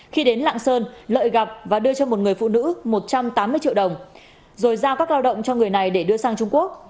khi đến lạng sơn lợi gặp và đưa cho một người phụ nữ một trăm tám mươi triệu đồng rồi giao các lao động cho người này để đưa sang trung quốc